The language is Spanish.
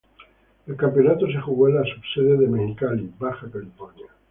El campeonato se jugó en la subsede de Mexicali, Baja California.